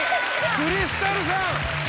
クリスタルさん！